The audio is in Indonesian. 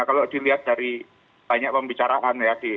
kalau dilihat dari banyak pembicaraan ya